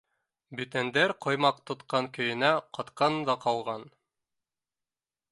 — Бүтәндәр ҡоймаҡ тотҡан көйөнә ҡатҡан да ҡалған.